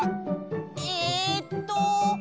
えっと。